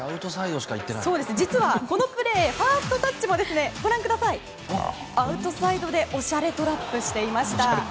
実は、このプレーファーストタッチもアウトサイドでおしゃれトラップしていました。